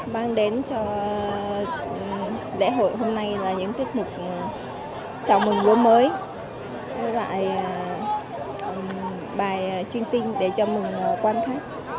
mang đến cho đệ hội hôm nay là những tiết mục chào mừng lúa mới bài trinh tinh để chào mừng quan khách